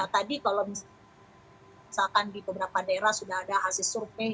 tadi kalau misalkan di beberapa daerah sudah ada hasil survei dua puluh empat tahun